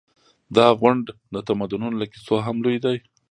دا غونډ د تمدنونو له کیسو هم لوی دی.